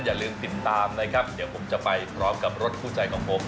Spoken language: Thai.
อย่าลืมติดตามนะครับเดี๋ยวผมจะไปพร้อมกับรถคู่ใจของผม